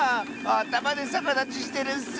あたまでさかだちしてるッス！